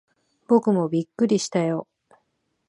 僕もびっくりしたよ。